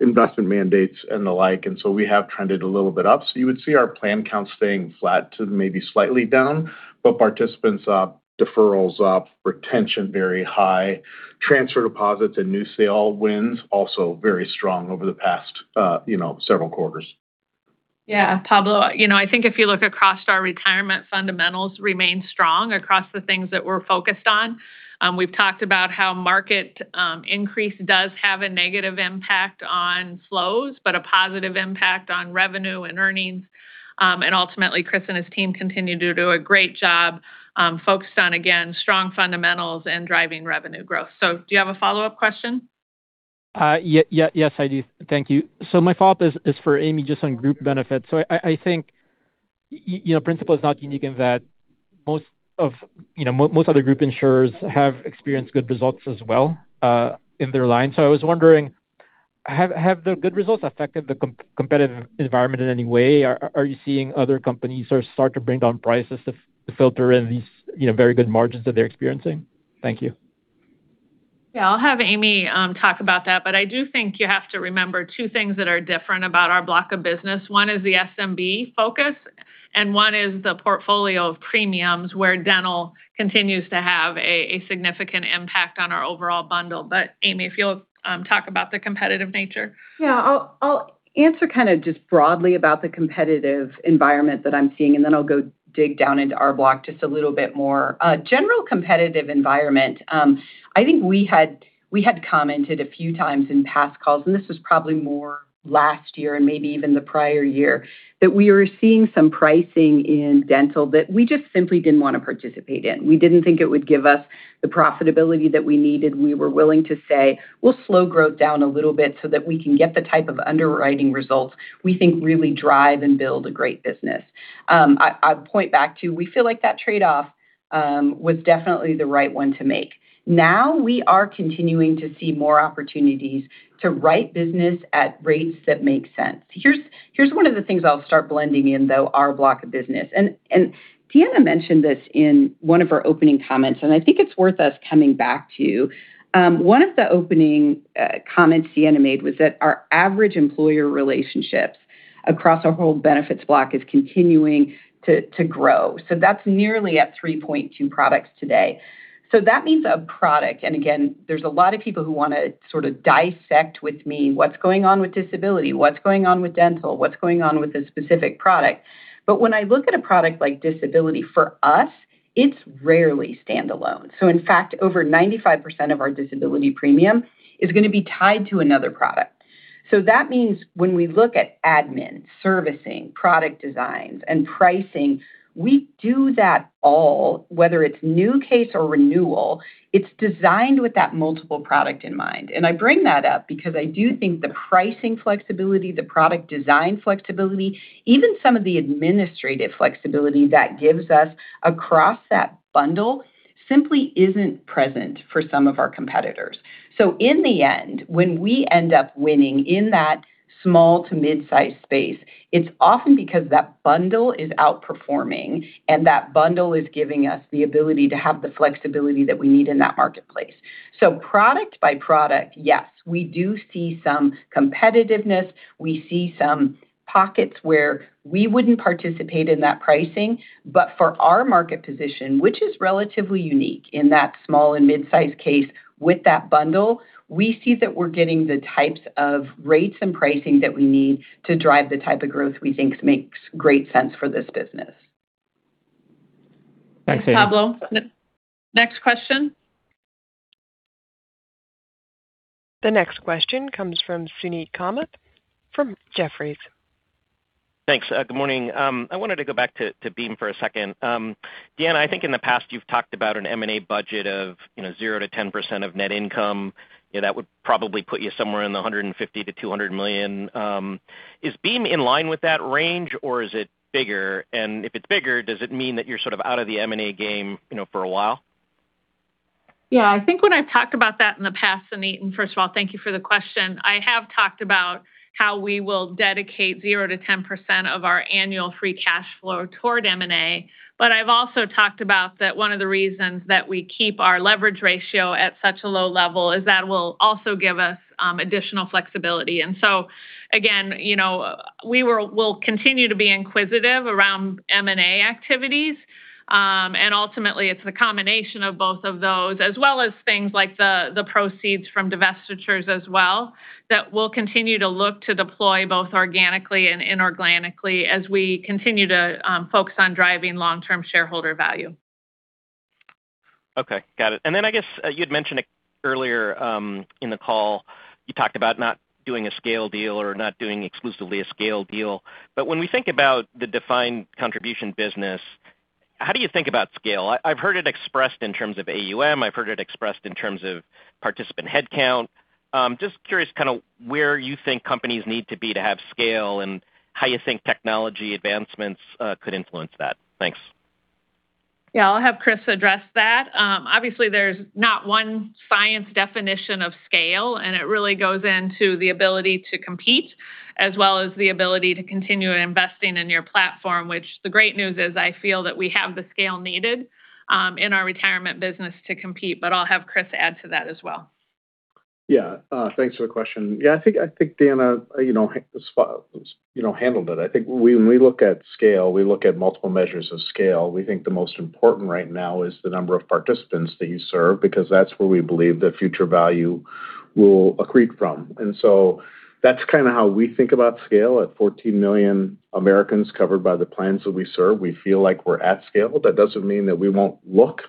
investment mandates and the like, and so we have trended a little bit up. You would see our plan count staying flat to maybe slightly down, but participants up, deferrals up, retention very high, transfer deposits and new sale wins also very strong over the past several quarters. Pablo, I think if you look across our retirement fundamentals remain strong across the things that we're focused on. We've talked about how market increase does have a negative impact on flows, but a positive impact on revenue and earnings. Ultimately, Chris and his team continue to do a great job focused on, again, strong fundamentals and driving revenue growth. Do you have a follow-up question? Yes, I do. Thank you. My follow-up is for Amy just on group benefits. I think Principal is not unique in that most other group insurers have experienced good results as well in their line. I was wondering, have the good results affected the competitive environment in any way? Are you seeing other companies sort of start to bring down prices to filter in these very good margins that they're experiencing? Thank you. I'll have Amy talk about that, but I do think you have to remember two things that are different about our block of business. One is the SMB focus, and one is the portfolio of premiums where dental continues to have a significant impact on our overall bundle. Amy, if you'll talk about the competitive nature. I'll answer kind of just broadly about the competitive environment that I'm seeing, and then I'll go dig down into our block just a little bit more. General competitive environment, I think we had commented a few times in past calls, and this was probably more last year and maybe even the prior year, that we were seeing some pricing in dental that we just simply didn't want to participate in. We didn't think it would give us the profitability that we needed. We were willing to say, "We'll slow growth down a little bit so that we can get the type of underwriting results we think really drive and build a great business." I'd point back to, we feel like that trade-off was definitely the right one to make. We are continuing to see more opportunities to write business at rates that make sense. Here's one of the things I'll start blending in, though, our block of business. Deanna mentioned this in one of our opening comments, and I think it's worth us coming back to. One of the opening comments Deanna made was that our average employer relationships across our whole benefits block is continuing to grow. That's nearly at 3.2 products today. That means a product, and again, there's a lot of people who want to sort of dissect with me what's going on with disability, what's going on with dental, what's going on with a specific product. When I look at a product like disability for us, it's rarely standalone. In fact, over 95% of our disability premium is going to be tied to another product. That means when we look at admin, servicing, product designs, and pricing, we do that all, whether it's new case or renewal, it's designed with that multiple product in mind. I bring that up because I do think the pricing flexibility, the product design flexibility, even some of the administrative flexibility that gives us across that bundle simply isn't present for some of our competitors. In the end, when we end up winning in that small to mid-size space, it's often because that bundle is outperforming, and that bundle is giving us the ability to have the flexibility that we need in that marketplace. Product by product, yes, we do see some competitiveness. We see some pockets where we wouldn't participate in that pricing. For our market position, which is relatively unique in that small and mid-size case with that bundle, we see that we're getting the types of rates and pricing that we need to drive the type of growth we think makes great sense for this business. Thanks, Amy. Thanks, Pablo. Next question. The next question comes from Suneet Kamath from Jefferies. Thanks. Good morning. I wanted to go back to Beam for a second. Deanna, I think in the past you've talked about an M&A budget of 0%-10% of net income. That would probably put you somewhere in the $150 million-$200 million. If it's bigger, does it mean that you're sort of out of the M&A game for a while? Yeah, I think when I've talked about that in the past, Suneet, first of all, thank you for the question, I have talked about how we will dedicate 0%-10% of our annual free cash flow toward M&A. I've also talked about that one of the reasons that we keep our leverage ratio at such a low level is that will also give us additional flexibility. Again, we'll continue to be inquisitive around M&A activities. Ultimately, it's the combination of both of those, as well as things like the proceeds from divestitures as well that we'll continue to look to deploy both organically and inorganically as we continue to focus on driving long-term shareholder value. Okay. Got it. I guess you had mentioned it earlier in the call, you talked about not doing a scale deal or not doing exclusively a scale deal, but when we think about the defined contribution business, how do you think about scale? I've heard it expressed in terms of AUM. I've heard it expressed in terms of participant headcount. Just curious kind of where you think companies need to be to have scale and how you think technology advancements could influence that. Thanks. Yeah, I'll have Chris address that. Obviously, there's not one science definition of scale, and it really goes into the ability to compete. As well as the ability to continue investing in your platform, which the great news is I feel that we have the scale needed in our retirement business to compete, but I'll have Chris add to that as well. Yeah. Thanks for the question. Yeah, I think Deanna handled it. I think when we look at scale, we look at multiple measures of scale. We think the most important right now is the number of participants that you serve, because that's where we believe the future value will accrete from. That's kind of how we think about scale. At 14 million Americans covered by the plans that we serve, we feel like we're at scale. That doesn't mean that we won't look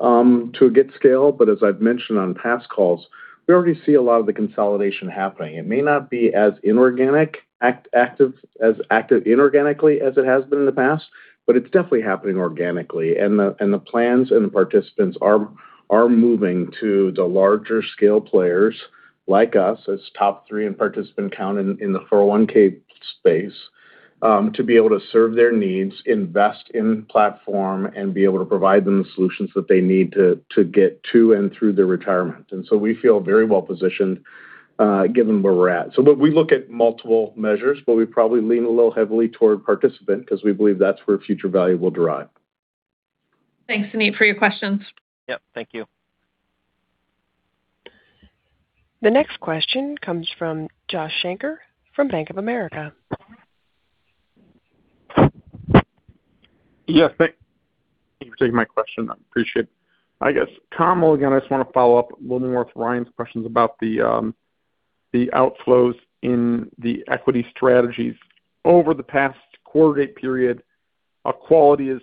to get scale, but as I've mentioned on past calls, we already see a lot of the consolidation happening. It may not be as active inorganically as it has been in the past, but it's definitely happening organically. The plans and the participants are moving to the larger scale players like us, as Top 3 in participant count in the 401(k) space, to be able to serve their needs, invest in platform, and be able to provide them the solutions that they need to get to and through their retirement. We feel very well positioned, given where we're at. We look at multiple measures, but we probably lean a little heavily toward participant because we believe that's where future value will derive. Thanks, Suneet, for your questions. Yep, thank you. The next question comes from Josh Shanker from Bank of America. Yeah. Thank you for taking my question. I appreciate it. I guess, Kamal, again, I just want to follow up a little more with Ryan's questions about the outflows in the equity strategies. Over the past quarter date period, quality is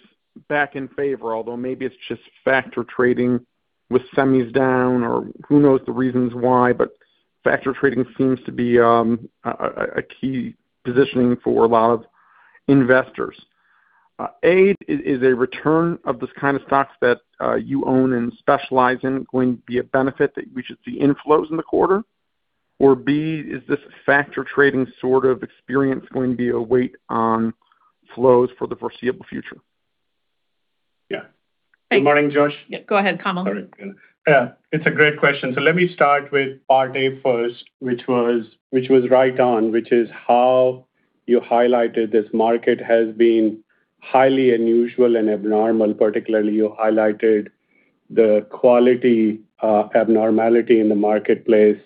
back in favor, although maybe it's just factor trading with semis down or who knows the reasons why, but factor trading seems to be a key positioning for a lot of investors. A, is a return of the kind of stocks that you own and specialize in going to be a benefit that we should see inflows in the quarter? Or B, is this factor trading sort of experience going to be a weight on flows for the foreseeable future? Yeah. Good morning, Josh. Yeah, go ahead, Kamal. Sorry. Yeah, it's a great question. Let me start with part A first, which was right on, which is how you highlighted this market has been highly unusual and abnormal, particularly you highlighted the quality abnormality in the marketplace.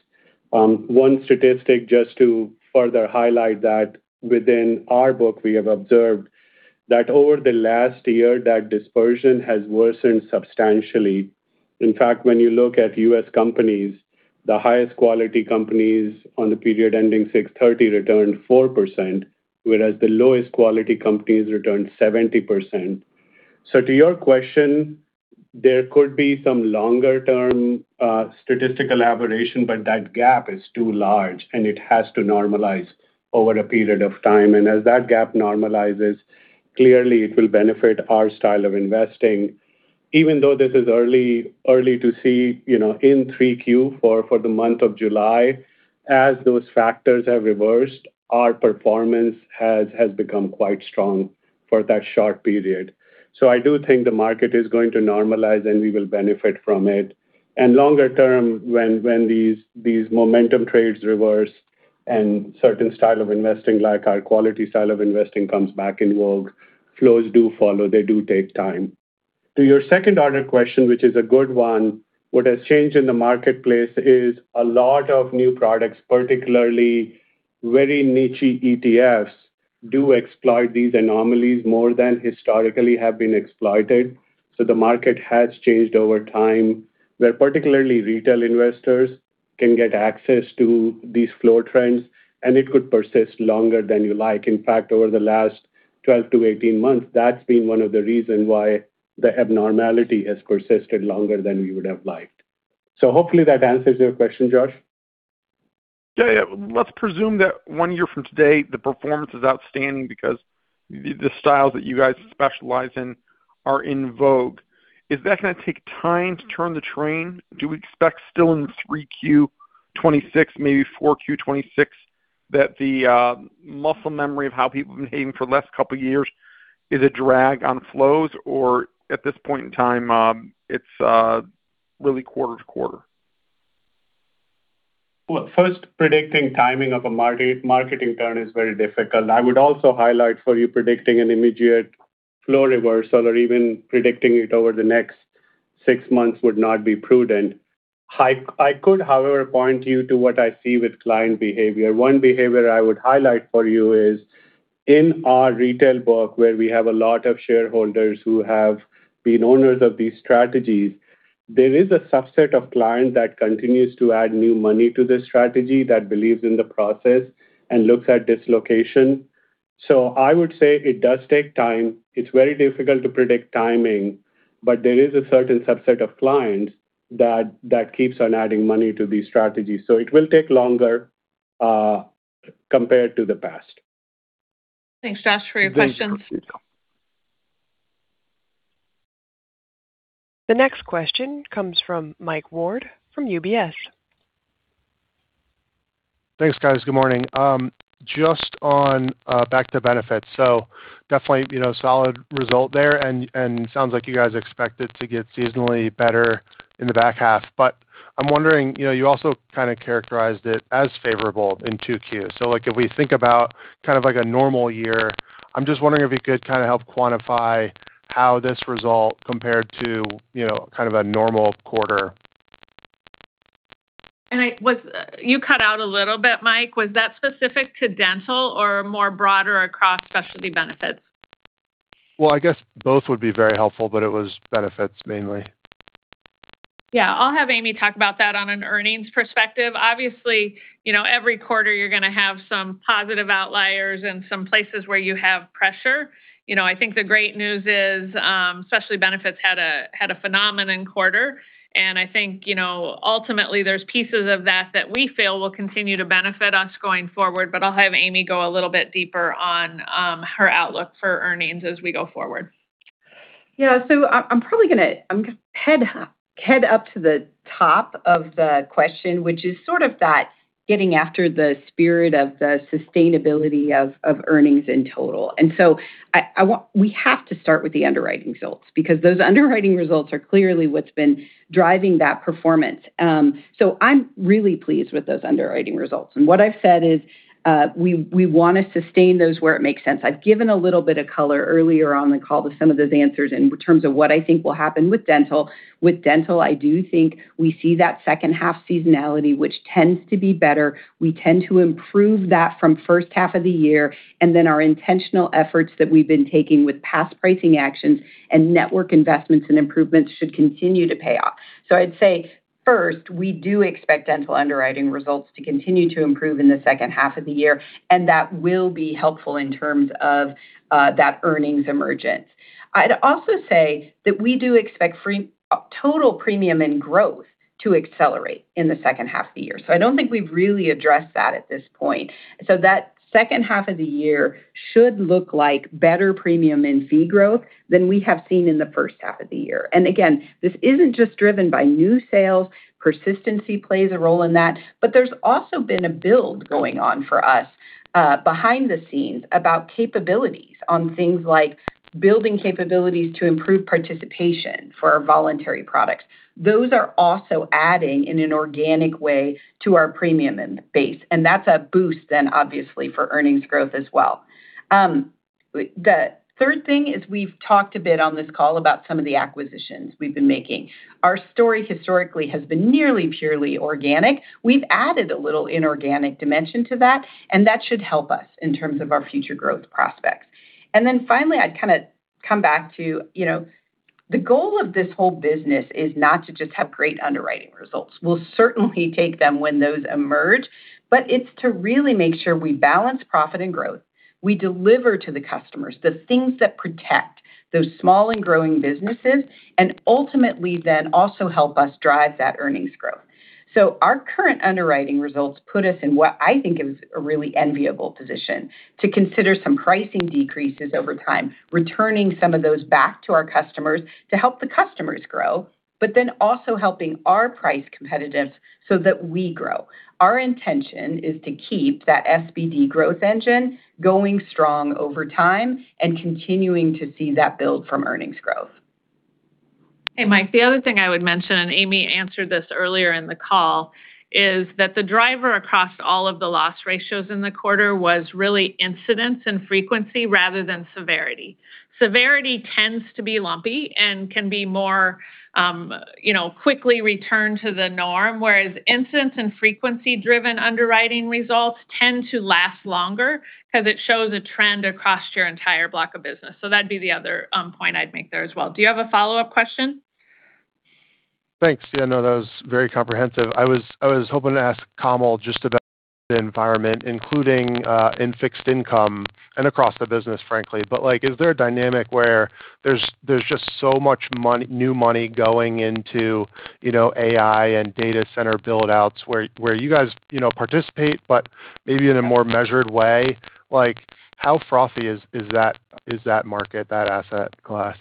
One statistic just to further highlight that within our book, we have observed that over the last year, that dispersion has worsened substantially. In fact, when you look at U.S. companies, the highest quality companies on the period ending 6/30 returned 4%, whereas the lowest quality companies returned 70%. To your question, there could be some longer-term statistical aberration, but that gap is too large, and it has to normalize over a period of time. As that gap normalizes, clearly it will benefit our style of investing. Even though this is early to see in 3Q for the month of July, as those factors have reversed, our performance has become quite strong for that short period. I do think the market is going to normalize, and we will benefit from it. Longer term, when these momentum trades reverse and certain style of investing like our quality style of investing comes back in vogue, flows do follow. They do take time. To your second order question, which is a good one, what has changed in the marketplace is a lot of new products, particularly very niche-y ETFs, do exploit these anomalies more than historically have been exploited. The market has changed over time, where particularly retail investors can get access to these flow trends, and it could persist longer than you like. In fact, over the last 12 to 18 months, that's been one of the reason why the abnormality has persisted longer than we would have liked. Hopefully that answers your question, Josh. Let's presume that one year from today, the performance is outstanding because the styles that you guys specialize in are in vogue. Is that going to take time to turn the train? Do we expect still in 3Q 2026, maybe 4Q 2026 that the muscle memory of how people have been behaving for the last couple of years is a drag on flows? Or at this point in time, it's really quarter-to-quarter? First, predicting timing of a market in turn is very difficult. I would also highlight for you predicting an immediate flow reversal or even predicting it over the next six months would not be prudent. I could, however, point you to what I see with client behavior. One behavior I would highlight for you is in our retail book, where we have a lot of shareholders who have been owners of these strategies, there is a subset of clients that continues to add new money to this strategy that believes in the process and looks at dislocation. I would say it does take time. It's very difficult to predict timing, but there is a certain subset of clients that keeps on adding money to these strategies. It will take longer compared to the past. Thanks, Josh, for your questions. The next question comes from Mike Ward from UBS. Thanks, guys. Good morning. Just on back to benefits. Definitely solid result there and sounds like you guys expect it to get seasonally better in the back half. I'm wondering, you also kind of characterized it as favorable in 2Q. If we think about a normal year, I'm just wondering if you could kind of help quantify how this result compared to a normal quarter. You cut out a little bit, Mike. Was that specific to dental or more broader across specialty benefits? I guess both would be very helpful, it was benefits mainly. Yeah. I'll have Amy talk about that on an earnings perspective. Obviously, every quarter you're going to have some positive outliers and some places where you have pressure. I think the great news is specialty benefits had a phenomenal quarter, and I think ultimately there's pieces of that that we feel will continue to benefit us going forward. I'll have Amy go a little bit deeper on her outlook for earnings as we go forward. Yeah. I'm going to head up to the top of the question, which is sort of that getting after the spirit of the sustainability of earnings in total. We have to start with the underwriting results, because those underwriting results are clearly what's been driving that performance. I'm really pleased with those underwriting results. What I've said is we want to sustain those where it makes sense. I've given a little bit of color earlier on the call to some of those answers in terms of what I think will happen with dental. With dental, I do think we see that second half seasonality, which tends to be better. We tend to improve that from first half of the year, and then our intentional efforts that we've been taking with past pricing actions and network investments and improvements should continue to pay off. I'd say, first, we do expect dental underwriting results to continue to improve in the second half of the year, and that will be helpful in terms of that earnings emergence. I'd also say that we do expect total premium and growth to accelerate in the second half of the year. I don't think we've really addressed that at this point. That second half of the year should look like better premium and fee growth than we have seen in the first half of the year. Again, this isn't just driven by new sales. Persistency plays a role in that. There's also been a build going on for us behind the scenes about capabilities on things like building capabilities to improve participation for our voluntary products. Those are also adding in an organic way to our premium end base, and that's a boost then obviously for earnings growth as well. The third thing is we've talked a bit on this call about some of the acquisitions we've been making. Our story historically has been nearly purely organic. We've added a little inorganic dimension to that, and that should help us in terms of our future growth prospects. Finally, I'd kind of come back to the goal of this whole business is not to just have great underwriting results. We'll certainly take them when those emerge, but it's to really make sure we balance profit and growth, we deliver to the customers the things that protect those small and growing businesses, and ultimately then also help us drive that earnings growth. Our current underwriting results put us in what I think is a really enviable position to consider some pricing decreases over time, returning some of those back to our customers to help the customers grow, but then also helping our price competitiveness so that we grow. Our intention is to keep that SBD growth engine going strong over time and continuing to see that build from earnings growth. Hey, Mike, the other thing I would mention, and Amy answered this earlier in the call, is that the driver across all of the loss ratios in the quarter was really incidence and frequency rather than severity. Severity tends to be lumpy and can be more quickly returned to the norm, whereas incidence and frequency driven underwriting results tend to last longer because it shows a trend across your entire block of business. That'd be the other point I'd make there as well. Do you have a follow-up question? Thanks, Deanna. That was very comprehensive. I was hoping to ask Kamal just about the environment, including in fixed income and across the business, frankly. Is there a dynamic where there's just so much new money going into AI and data center build-outs where you guys participate, but maybe in a more measured way? How frothy is that market, that asset class?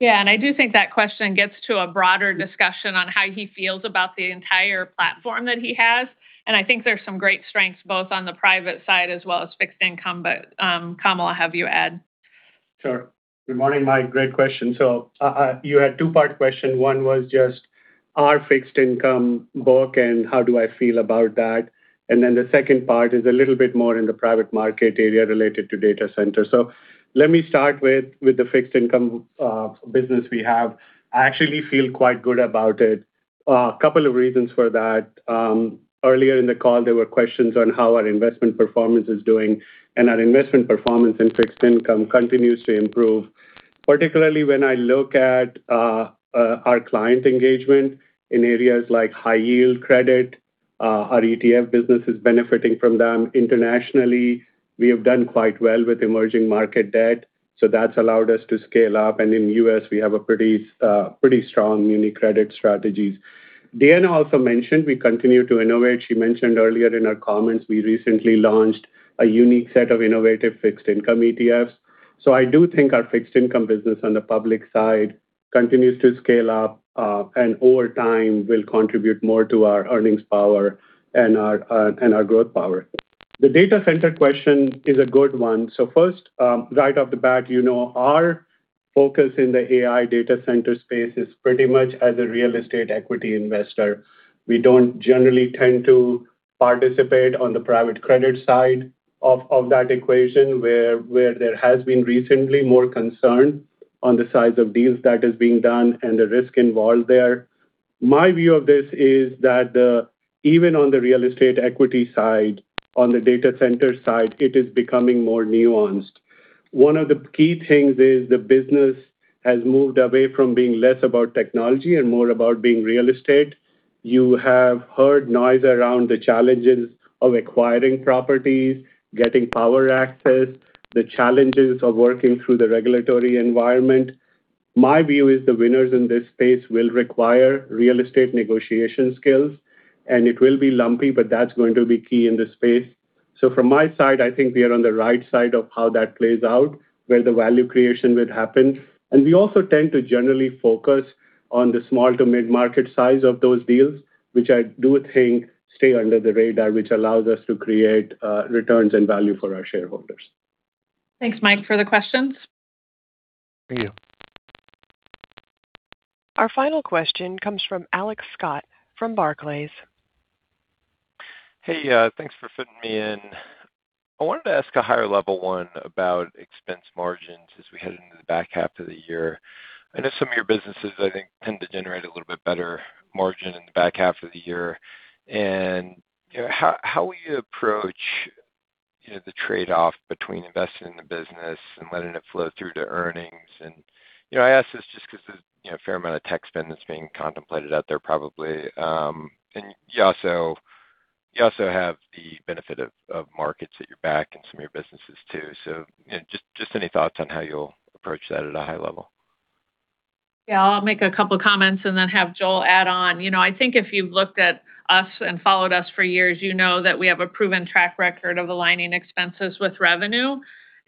Yeah, I do think that question gets to a broader discussion on how he feels about the entire platform that he has, and I think there's some great strengths both on the private side as well as fixed income. Kamal, I'll have you add. Good morning, Mike. Great question. You had a two-part question. One was just our fixed income book and how do I feel about that, and the second part is a little bit more in the private market area related to data center. Let me start with the fixed income business we have. I actually feel quite good about it. A couple of reasons for that. Earlier in the call, there were questions on how our investment performance is doing, and our investment performance in fixed income continues to improve. Particularly when I look at our client engagement in areas like high yield credit. Our ETF business is benefiting from them internationally. We have done quite well with emerging market debt, so that's allowed us to scale up. And in U.S., we have a pretty strong muni credit strategy. Deanna also mentioned we continue to innovate. She mentioned earlier in her comments we recently launched a unique set of innovative fixed income ETFs. I do think our fixed income business on the public side continues to scale up, and over time, will contribute more to our earnings power and our growth power. The data center question is a good one. First, right off the bat, our focus in the AI data center space is pretty much as a real estate equity investor. We don't generally tend to participate on the private credit side of that equation, where there has been recently more concern on the size of deals that is being done and the risk involved there. My view of this is that even on the real estate equity side, on the data center side, it is becoming more nuanced. One of the key things is the business has moved away from being less about technology and more about being real estate. You have heard noise around the challenges of acquiring properties, getting power access, the challenges of working through the regulatory environment. My view is the winners in this space will require real estate negotiation skills, and it will be lumpy, but that's going to be key in this space. From my side, I think we are on the right side of how that plays out, where the value creation will happen. We also tend to generally focus on the small to mid-market size of those deals, which I do think stay under the radar, which allows us to create returns and value for our shareholders. Thanks, Mike, for the questions. Thank you. Our final question comes from Alex Scott from Barclays. Hey, thanks for fitting me in. I wanted to ask a higher level one about expense margins as we head into the back half of the year. I know some of your businesses, I think, tend to generate a little bit better margin in the back half of the year. How will you approach the trade-off between investing in the business and letting it flow through to earnings? I ask this just because there's a fair amount of tech spend that's being contemplated out there probably. You also have the benefit of markets at your back in some of your businesses too. Just any thoughts on how you'll approach that at a high level. Yeah, I'll make a couple comments and then have Joel add on. I think if you've looked at us and followed us for years, you know that we have a proven track record of aligning expenses with revenue.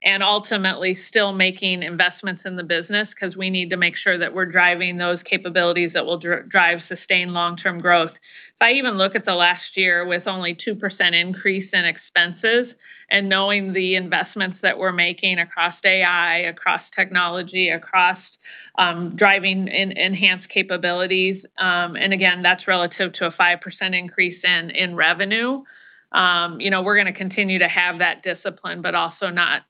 Ultimately still making investments in the business because we need to make sure that we're driving those capabilities that will drive sustained long-term growth. If I even look at the last year with only 2% increase in expenses and knowing the investments that we're making across AI, across technology, across driving enhanced capabilities. Again, that's relative to a 5% increase in revenue. We're going to continue to have that discipline, also not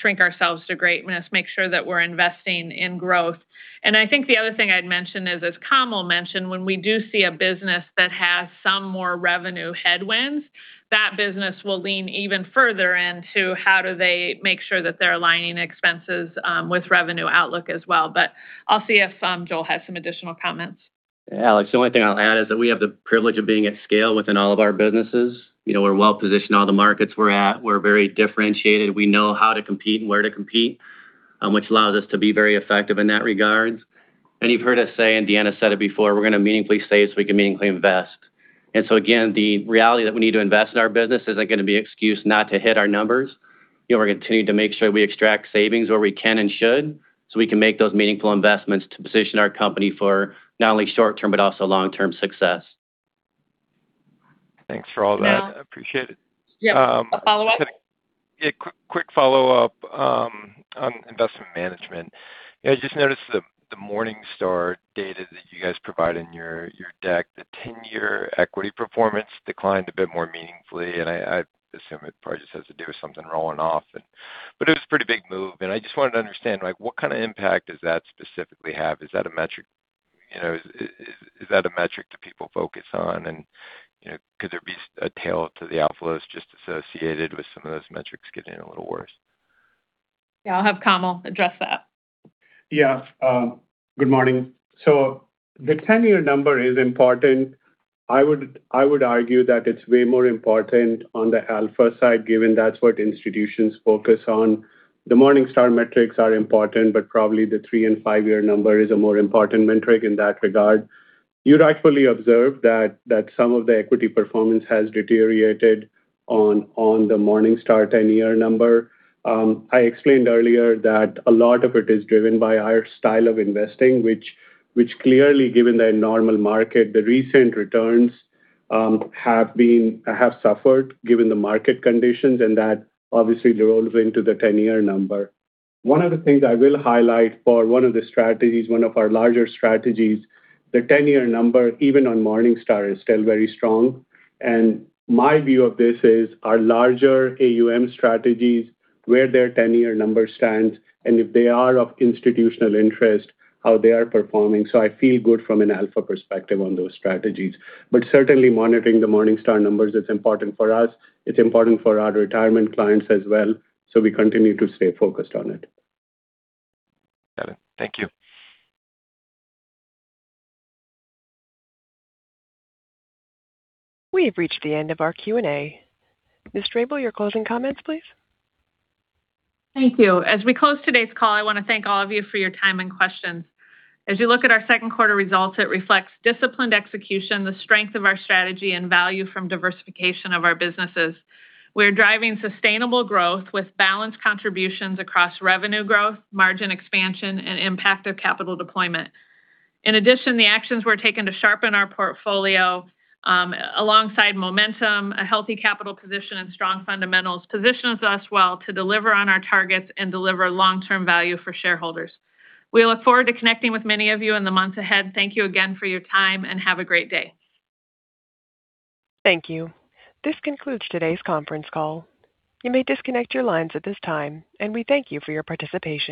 shrink ourselves to greatness, make sure that we're investing in growth. I think the other thing I'd mention is, as Kamal mentioned, when we do see a business that has some more revenue headwinds, that business will lean even further into how do they make sure that they're aligning expenses with revenue outlook as well. I'll see if Joel has some additional comments. Yeah, Alex, the only thing I'll add is that we have the privilege of being at scale within all of our businesses. We're well-positioned in all the markets we're at. We're very differentiated. We know how to compete and where to compete, which allows us to be very effective in that regard. You've heard us say, and Deanna said it before, we're going to meaningfully save so we can meaningfully invest. Again, the reality that we need to invest in our business isn't going to be an excuse not to hit our numbers. We're going to continue to make sure we extract savings where we can and should, so we can make those meaningful investments to position our company for not only short-term but also long-term success. Thanks for all that. Yeah. I appreciate it. Yeah. A follow-up? Quick follow-up on investment management. I just noticed the Morningstar data that you guys provide in your deck. The 10-year equity performance declined a bit more meaningfully, and I assume it probably just has to do with something rolling off. It was a pretty big move, and I just wanted to understand, what kind of impact does that specifically have? Is that a metric to people focus on, and could there be a tail to the outflows just associated with some of those metrics getting a little worse? I'll have Kamal address that. Good morning. The 10-year number is important. I would argue that it's way more important on the alpha side, given that's what institutions focus on. The Morningstar metrics are important, but probably the three- and five-year number is a more important metric in that regard. You'd actually observe that some of the equity performance has deteriorated on the Morningstar 10-year number. I explained earlier that a lot of it is driven by our style of investing, which clearly given the normal market, the recent returns have suffered, given the market conditions, and that obviously rolls into the 10-year number. One of the things I will highlight for one of the strategies, one of our larger strategies, the 10-year number, even on Morningstar, is still very strong. My view of this is our larger AUM strategies, where their 10-year number stands, and if they are of institutional interest, how they are performing. I feel good from an alpha perspective on those strategies. Certainly, monitoring the Morningstar numbers is important for us. It's important for our retirement clients as well. We continue to stay focused on it. Got it. Thank you. We have reached the end of our Q&A. Ms. Strable, your closing comments, please. Thank you. As we close today's call, I want to thank all of you for your time and questions. As you look at our second quarter results, it reflects disciplined execution, the strength of our strategy, and value from diversification of our businesses. We are driving sustainable growth with balanced contributions across revenue growth, margin expansion, and impact of capital deployment. In addition, the actions we're taking to sharpen our portfolio, alongside momentum, a healthy capital position, and strong fundamentals, positions us well to deliver on our targets and deliver long-term value for shareholders. We look forward to connecting with many of you in the months ahead. Thank you again for your time and have a great day. Thank you. This concludes today's conference call. You may disconnect your lines at this time, and we thank you for your participation.